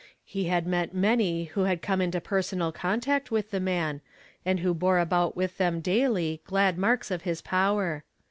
lie had many who liad come into personal contact with Uie man, and who bore about with them daily glad marks of his power.